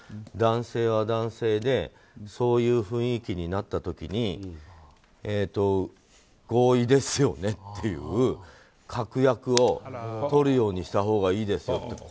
男性は男性でそういう雰囲気になった時に合意ですよね？っていう確約をとるようにしたほうがいいですよと。